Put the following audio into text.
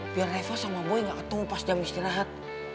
biar revo sama boy gak ketemu pas jam istirahat